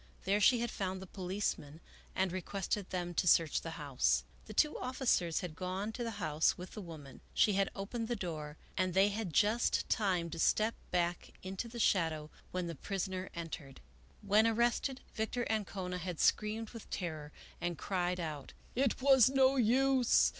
There she had found the policemen and re quested them to search the house. The two officers had gone to the house with the woman. She had opened the door and they had had just time to step back into the shadow when the prisoner entered. When ar rested, Victor Ancona had screamed with terror, and cried out, " It was no use